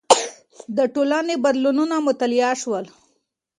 د ټولنې بدلونونه مطالعه شول.